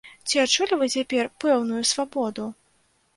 Ці адчулі вы цяпер пэўную свабоду?